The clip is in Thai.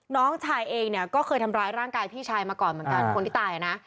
น้องชายเองเนี่ยก็เคยทำร้ายร่างกายพี่ชายมาก่อนเหมือนกันคนที่ตายนะ